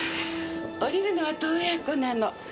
降りるのは洞爺湖なの。